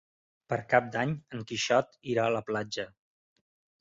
Per Cap d'Any en Quixot irà a la platja.